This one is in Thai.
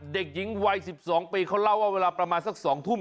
เด็กหญิงวัย๑๒ปีเขาเล่าว่าเวลาประมาณสัก๒ทุ่ม